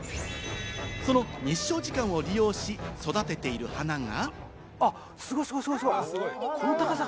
その日照時間を利用し育てている花が。